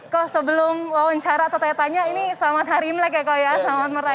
ko sebelum wawancara atau tanya tanya ini selamat hari imlek ya ko ya selamat meraya